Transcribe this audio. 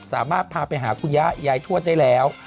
สามารถพาไปหาคุณย่ายายทวดได้แล้ว